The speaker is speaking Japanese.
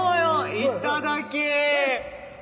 いただき！